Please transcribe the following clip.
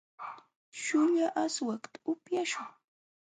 śhuula aswakta upyaśhun.